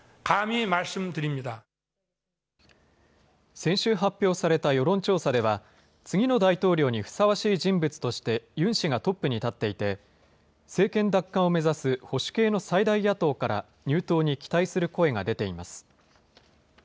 先週発表された世論調査では、次の大統領にふさわしい人物としてユン氏がトップに立っていて、政権奪還を目指す保守系の最大野党から入党に期待する声が出ています。